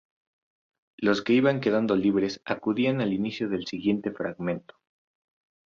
Los que iban quedando libres acudían al inicio del siguiente fragmento.